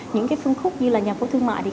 những phương khúc như nhà phố thương mại